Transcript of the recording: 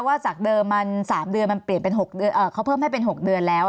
ว่าจากเดิมมัน๓เดือนมันเปลี่ยนเป็น๖เดือนเขาเพิ่มให้เป็น๖เดือนแล้ว